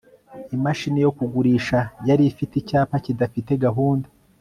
imashini yo kugurisha yari ifite icyapa kidafite gahunda